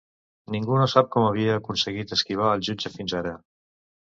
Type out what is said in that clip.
Ningú no sap com havia aconseguit esquivar els jutges fins ara.